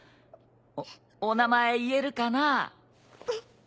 おお名前言えるかな？